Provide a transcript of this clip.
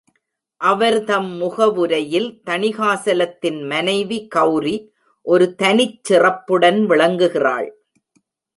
அவர் தம் முகவுரையில், தணிகாசலத்தின் மனைவி கெளரி ஒரு தனிச் சிறப்புடன் விளங்குகிறாள்.